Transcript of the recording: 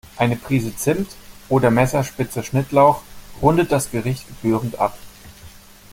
Eine Prise Zimt oder Messerspitze Schnittlauch rundet das Gericht gebührend ab.